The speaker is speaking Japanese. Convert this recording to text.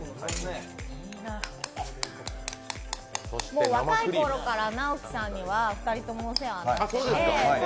もう若い頃から直樹さんには２人ともお世話になっていまして。